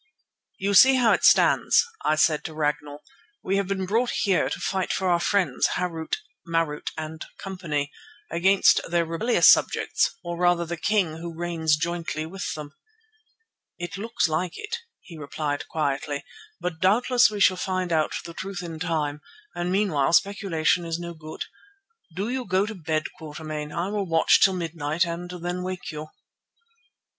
"You see how it stands," I said to Ragnall. "We have been brought here to fight for our friends, Harût, Marût and Co., against their rebellious subjects, or rather the king who reigns jointly with them." "It looks like it," he replied quietly, "but doubtless we shall find out the truth in time and meanwhile speculation is no good. Do you go to bed, Quatermain, I will watch till midnight and then wake you."